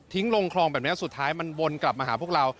ลงคลองแบบนี้สุดท้ายมันวนกลับมาหาพวกเรา